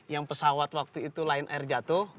yang pesawat waktu itu lion air jatuh